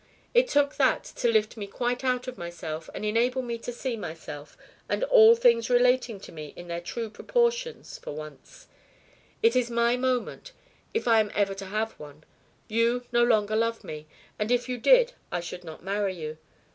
It took that to lift me quite out of myself and enable me to see myself and all things relating to me in their true proportions for once. It is my moment If I am ever to have one. You no longer love me, and if you did I should not marry you.